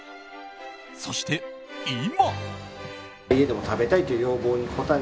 そして今。